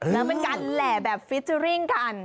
แล้วเป็นการแหล่แบบฟิเจอร์ริ่งกัน